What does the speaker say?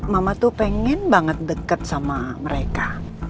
mama tuh pengen banget deket sama mereka